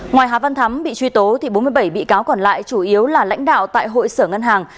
ngoài hà văn thắm bị truy tố bốn mươi bảy bị cáo còn lại chủ yếu là lãnh đạo tại hội sở ngân hàng